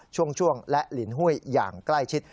ช่วงและลินหุ้ยอย่างใกล้ชิด